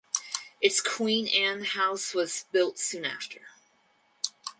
Its Queen Anne house was built soon after.